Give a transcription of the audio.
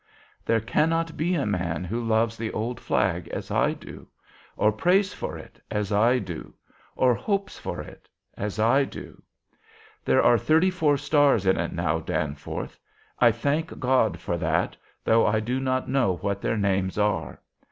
There cannot be a man who loves the old flag as I do, or prays for it as I do, or hopes for it as I do. There are thirty four stars in it now, Danforth. I thank God for that, though I do not know what their names are.